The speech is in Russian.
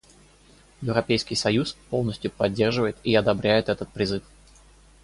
Европейский союз полностью поддерживает и одобряет этот призыв.